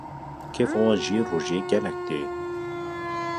kêfa wan jî rojiyê gelek tê.